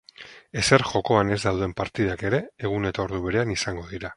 Ezer joakoan ez dauden partidak ere egun eta ordu berean izango dira.